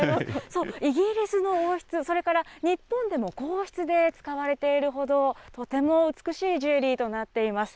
そう、イギリスの王室、それから日本でも皇室で使われているほど、とても美しいジュエリーとなっています。